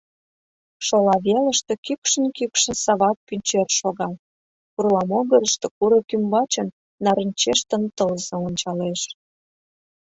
Шола велыште кӱкшын-кӱкшын Савак пӱнчер шога, пурла могырышто курык ӱмбачын, нарынчештын, тылзе ончалеш.